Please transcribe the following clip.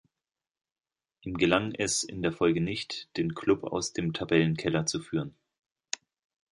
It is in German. Ihm gelang es in der Folge nicht, den Klub aus dem Tabellenkeller zu führen.